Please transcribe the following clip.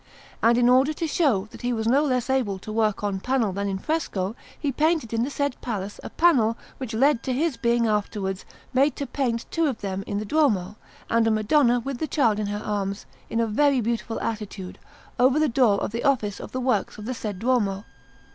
And in order to show that he was no less able to work on panel than in fresco, he painted in the said Palace a panel which led to his being afterwards made to paint two of them in the Duomo, and a Madonna with the Child in her arms, in a very beautiful attitude, over the door of the Office of the Works of the said Duomo.